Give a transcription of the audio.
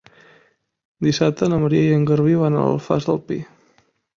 Dissabte na Maria i en Garbí van a l'Alfàs del Pi.